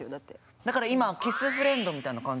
だから今キスフレンドみたいな感じ？